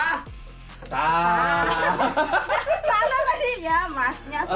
ternyata tanah tadi ya masnya